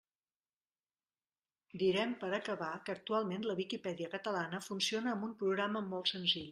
Direm per acabar que actualment la Viquipèdia catalana funciona amb un programa molt senzill.